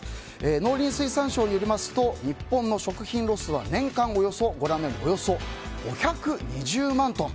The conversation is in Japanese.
農林水産省によりますと日本の食品ロスは年間およそ５２０万トン。